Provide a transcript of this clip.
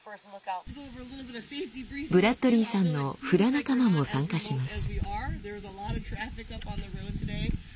ブラッドリーさんのフラ仲間も参加します。